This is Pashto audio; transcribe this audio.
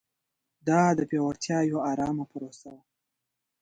دا د پیاوړتیا یوه ارامه پروسه وه.